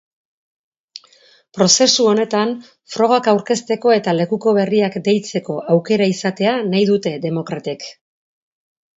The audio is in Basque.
Prozesu honetan frogak aurkezteko eta lekuko berriak deitzeko aukera izatea nahi dute demokratek.